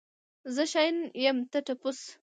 زه شاين يم ته ټپوس.